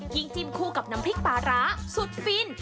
จิ้มคู่กับน้ำพริกปลาร้าสุดฟิน